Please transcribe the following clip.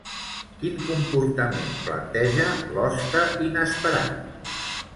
Quin comportament planteja L'hoste inesperat?